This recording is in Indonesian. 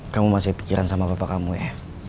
kamu masih pikiran sama bapak kamu ya